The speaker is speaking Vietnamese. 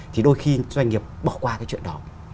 thì đôi khi doanh nghiệp bỏ qua cái chuyện đó